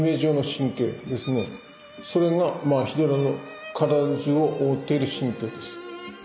それがまあヒドラの体中を覆っている神経です。